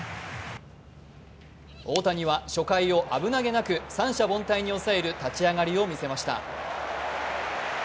大谷は初回を危なげなく三者凡退に抑える立ち上がりを見せました。